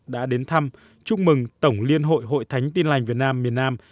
đã đến thăm chúc mừng tổng liên hội hội thánh tin lành việt nam miền nam